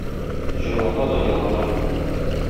Җырлата да елата.